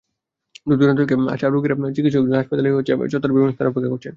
দূর-দুরান্ত থেকে আসা রোগীরা চিকিৎসকদের জন্য হাসপাতাল চত্বরের বিভিন্ন স্থানে অপেক্ষা করছেন।